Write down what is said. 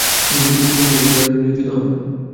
তিনি পৈতৃক জমিদারি পরিচালনায় নিয়োজিত হন।